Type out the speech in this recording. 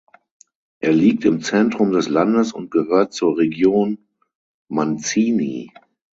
Er liegt im Zentrum des Landes und gehört zur Region Manzini.